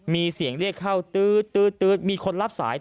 มีเสียงเรียกเข้าตื๊ดมีคนรับสาย